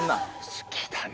好きだね